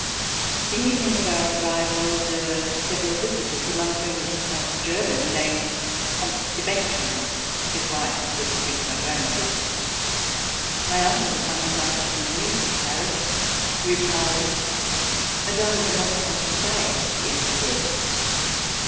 The evening of our arrival there were several visitors, among whom was a fat German named Comte de Bentheim, whose wife was a friend of my grandmother's. My uncle at once asked him the news of Paris. He replied: "Mme. de Monconseil is dead."